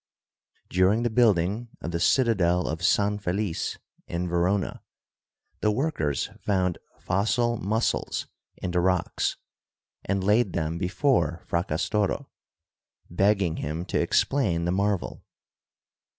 During the building of the citadel of San Felice in Verona, the workers found fossil mussels in the rocks and laid them before Fracas toro, begging him to explain the marvel.